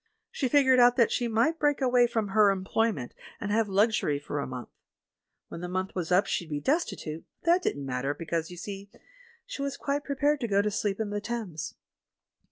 She figured out that she might break away from her eoiployment and have luxury for a month. When the month was up she'd be des titute, but that didn't matter because, you see, she was quite prepared to go to sleep in the Thames.